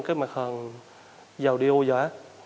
cái mặt hòn vào đi ô giả